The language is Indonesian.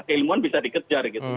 keilmuan bisa dikejar gitu